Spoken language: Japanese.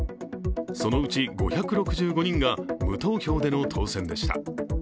そのうち５６５人が無投票での当選でした。